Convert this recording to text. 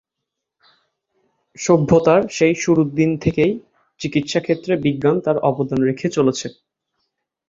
সভ্যতার সেই শুরুর দিন থেকেই চিকিৎসা ক্ষেত্রে বিজ্ঞান তার অবদান রেখে চলেছে।